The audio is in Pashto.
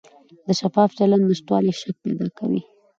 د شفاف چلند نشتوالی شک پیدا کوي